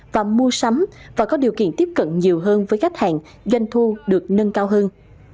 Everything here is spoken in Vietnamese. và mua sắm và có điều kiện tiếp cận nhiều hơn với khách hàng doanh thu được nâng cao hơn